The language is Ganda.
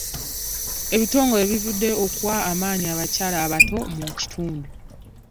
Ebitongole bivuddeyo okuwa amaanyi abakyala abato mu kitundu.